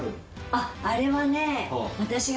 あっあれはね。